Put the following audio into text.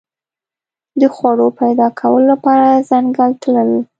د خوړو پیدا کولو لپاره ځنګل تلل.